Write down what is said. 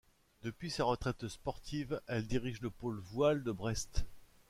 Depuis sa retraite sportive, elle dirige le pôle voile de Brest.